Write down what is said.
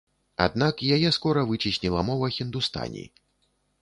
Аднак яе скора выцесніла мова хіндустані.